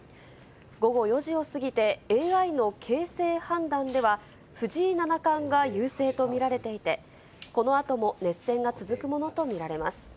午後４時を過ぎて、ＡＩの形勢判断では、藤井七冠が優勢と見られていて、このあとも熱戦が続くものと見られます。